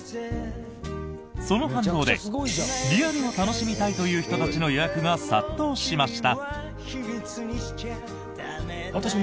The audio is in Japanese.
その反動でリアルを楽しみたいという人たちの予約が殺到しました。